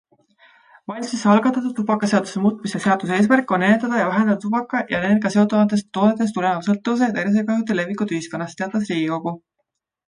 Valitsuse algatatud tubakaseaduse muutmise seaduse eesmärk on ennetada ja vähendada tubaka- ning nendega seonduvatest toodetest tuleneva sõltuvuse ja tervisekahjude levikut ühiskonnas, teatas Riigikogu.